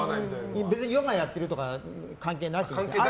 別にヨガやってるとか関係なしに。